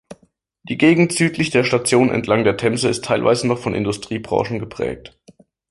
Die Gegend südlich der Station, entlang der Themse, ist teilweise noch von Industriebrachen geprägt.